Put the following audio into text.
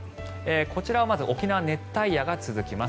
こちら、沖縄は熱帯夜が続きます。